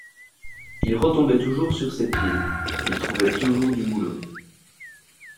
il retombait toujours sur ses pieds, il trouvait toujours du boulot